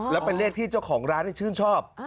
แล้วเป็นเลขที่เจ้าของร้านได้ชื่นชอบ